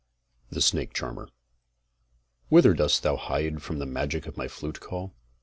THE SNAKE CHARMER Whither dost thou hide from the magic of my flute call?